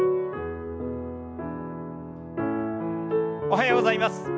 おはようございます。